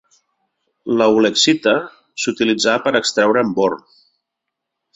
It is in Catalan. La ulexita s'utilitza per extreure'n bor.